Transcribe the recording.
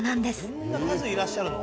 こんな数いらっしゃるの？